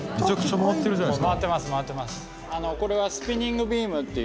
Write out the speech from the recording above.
回ってます